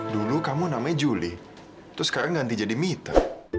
dulu kamu namanya juli terus sekarang ganti jadi mita